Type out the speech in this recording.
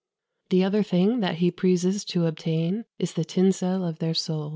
The other thing that he preases to obtain is the tinsell of their soule."